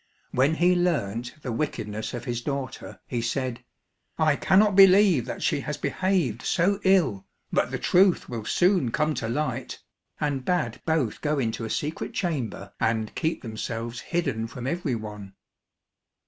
When he learnt the wickedness of his daughter he said, "I cannot believe that she has behaved so ill, but the truth will soon come to light," and bade both go into a secret chamber and keep themselves hidden from every one.